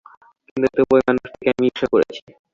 কিন্তু তবু ঐ মানুষটিকে আমি ঈর্ষা করেছি।